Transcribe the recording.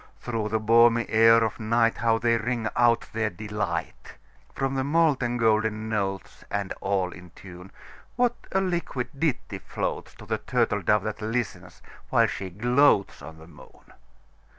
Through the balmy air of nightHow they ring out their delight! From the molten golden notes, And all in tune, What a liquid ditty floatsTo the turtle dove that listens, while she gloatsOn the moon!